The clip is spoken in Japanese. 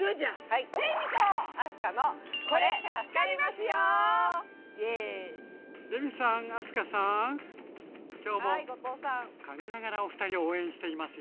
はい後藤さん。今日も陰ながらお二人を応援しています。